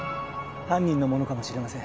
犯人のものかもしれません。